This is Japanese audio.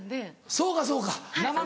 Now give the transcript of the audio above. そうかそうか。